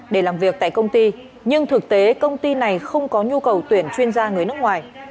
để làm việc tại công ty nhưng thực tế công ty này không có nhu cầu tuyển chuyên gia người nước ngoài